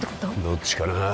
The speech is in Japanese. どっちかな